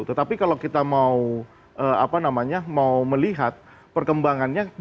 tetapi kalau kita mau melihat perkembangannya